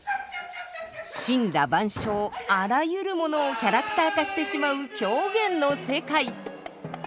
森羅万象あらゆるものをキャラクター化してしまう狂言の世界。